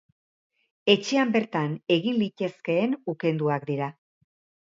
Etxen bertan egin litezkeen ukenduak dira.